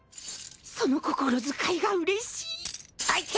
その心遣いがうれしい。